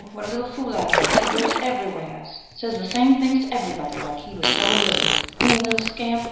What a little fool I was! He goes everywheres says the same things to everybody, like he was selling ribbons. Mean little scamp!